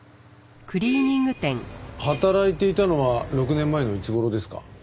働いていたのは６年前のいつ頃ですか？